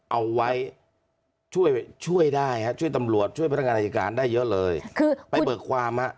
เอาไว้ช่วยได้ช่วยตำรวจช่วยพัฒนาการอาจารย์การได้เยอะเลยไปเบิกความ